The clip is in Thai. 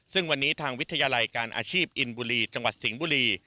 ซึ่งวันนี้ทางวิทยาลัยการอาชีพอินบุรีจังหวัดสิงห์บุรี